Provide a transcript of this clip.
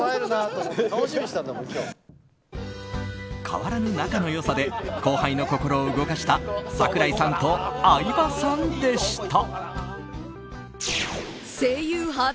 変わらぬ仲の良さで後輩の心を動かした櫻井さんと相葉さんでした。